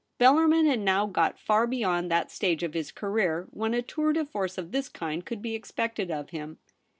Bellarmin had now got far beyond that stage of his career when a ^our de force of this kind could be expected of him.